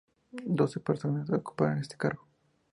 Doce personas ocuparon este cargo.